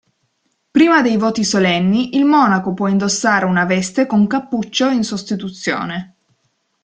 Prima dei voti solenni, il monaco può indossare una veste con cappuccio in sostituzione.